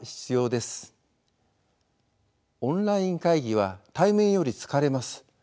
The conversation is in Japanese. オンライン会議は対面より疲れます。